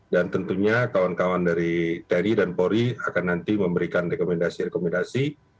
dan tentunya kawan kawan dari tni dan ori akan nanti memberikan rekomendasi rekomendasi